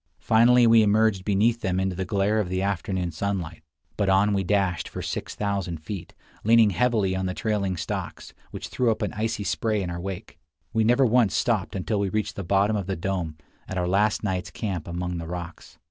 Finally we emerged beneath them into the glare of the afternoon sunlight; but on we dashed for 6000 feet, leaning heavily on the trailing stocks, which threw up an icy spray in our wake. We never once stopped until we reached the bottom of the dome, at our last night's camp among the rocks.